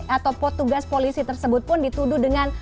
atau petugas polisi tersebut pun dituduh dengan